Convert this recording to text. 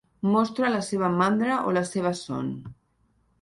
Mostra la seva mandra o la seva son.